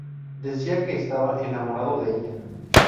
Decía que estaba enamorado de ella.